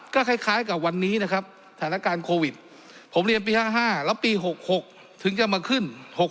ก็คล้ายกับวันนี้นะครับสถานการณ์โควิดผมเรียนปี๕๕แล้วปี๖๖ถึงจะมาขึ้น๖๖